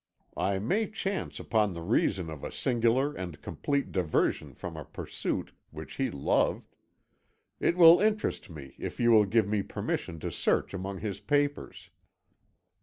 I may chance upon the reason of a singular and complete diversion from a pursuit which he loved. It will interest me, if you will give me permission to search among his papers."